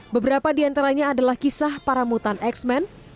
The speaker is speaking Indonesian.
beberapa diantaranya adalah kisah para mutan x men